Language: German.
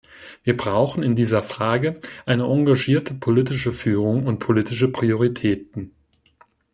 Wir brauchen in dieser Frage eine engagierte politische Führung und politische Prioritäten.